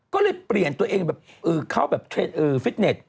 ก็เลยเปลี่ยนตัวเองเข้าแบบฟิตเนต